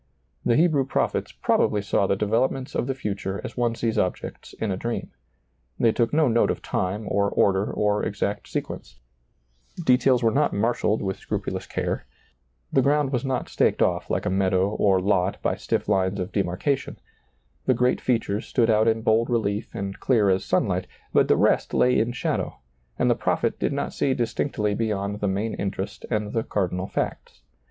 The Hebrew prophets probably saw the developments of the future as one sees objects in a dream. They took no note ^lailizccbvGoOgle THE COMING TEMPLE 171 of time or order or exact sequence ; details were not marshaled with scrupulous care ; the ground was not staked off like a meadow or lot by stiff lines of demarcation ; the great features stood out in bold relief and clear as sunlight, but the rest lay in shadow, and the prophet did not see distinctly beyond the main interest and the cardinal facts.